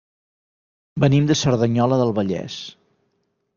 Venim de Cerdanyola del Vallès.